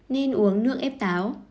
nên uống nước ép táo